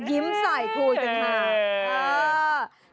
ยิ้มใส่ครูจนถา